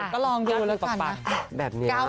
ก็ลองดูเลยปากปัน